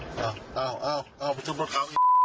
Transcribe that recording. ผู้หญิงหรอผู้เมียหน่อยหรอ